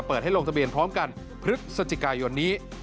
จะเปิดให้ลงทะเบียนพร้อมกันพฤษจิกายนี้